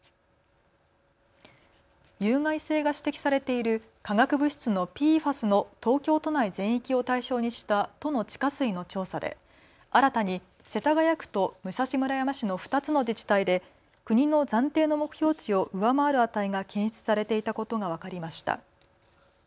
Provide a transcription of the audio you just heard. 有害性が指摘されている化学物質のＰＦＡＳの東京都内全域を対象にした都の地下水の調査で新たに世田谷区と武蔵村山市の２つの自治体で国の暫定の目標値を上回る値が検出されていたことが分かりました。